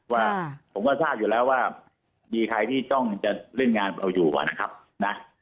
ว่าผมก็ทราบอยู่แล้วว่ามีใครที่ต้องจะเล่นงานเราอยู่นะครับนะ